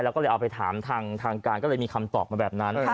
แล้วก็เลยเอาไปถามทางการก็เลยมีคำตอบมาแบบนั้น